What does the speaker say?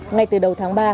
ngay từ đầu tháng ba